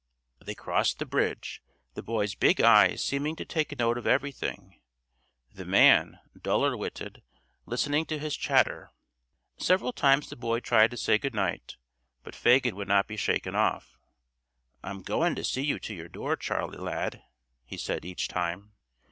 They crossed the Bridge, the boy's big eyes seeming to take note of everything, the man, duller witted, listening to his chatter. Several times the boy tried to say good night, but Fagin would not be shaken off. "I'm goin' to see you to your door, Charley lad," he said each time.